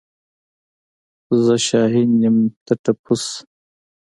زه شاين يم ته ټپوس.